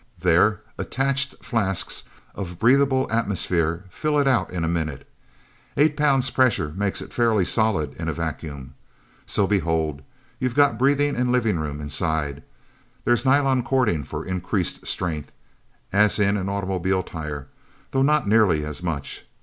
There, attached flasks of breathable atmosphere fill it out in a minute. Eight pounds pressure makes it fairly solid in a vacuum. So, behold you've got breathing and living room, inside. There's nylon cording for increased strength as in an automobile tire though not nearly as much.